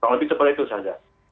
lebih cepat itu sahjah